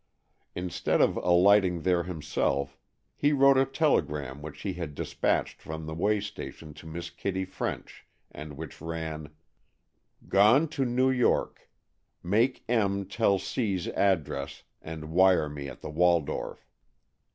Instead of alighting there himself, he wrote a telegram which he had despatched from the way station to Miss Kitty French, and which ran: Gone to New York. Make M. tell C.'s address and wire me at the Waldorf.